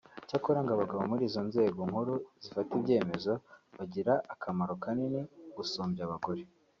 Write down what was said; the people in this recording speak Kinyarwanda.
Icyakora ngo abagabo muri izo nzego nkuru zifata ibyemezo bagira akamaro kanini gusumbya abagore